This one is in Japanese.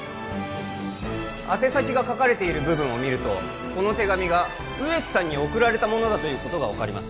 宛先が書かれている部分を見るとこの手紙が植木さんに送られたものだということが分かります